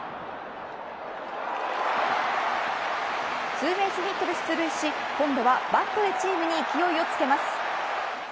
ツーベースヒットで出塁し今度はバットでチームに勢いをつけます。